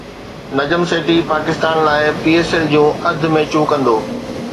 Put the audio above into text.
نجم سيٺي پاڪستان لاءِ P S L جون اڌ ميچون ڪندو